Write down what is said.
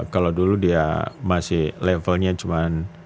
kalau dulu dia masih levelnya cuma